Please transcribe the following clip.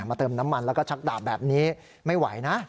เติมน้ำมันแล้วก็ชักดาบแบบนี้ไม่ไหวนะ